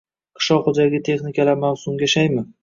Qishloq xo‘jaligi texnikalari mavsumga shaymi